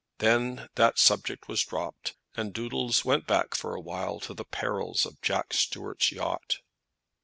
Then that subject was dropped, and Doodles went back for a while to the perils of Jack Stuart's yacht.